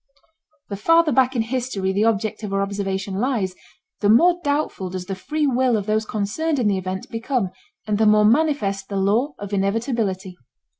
The farther back in history the object of our observation lies, the more doubtful does the free will of those concerned in the event become and the more manifest the law of inevitability.